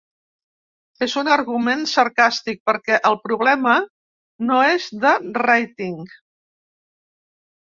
És un argument sarcàstic perquè el problema no és de ràting.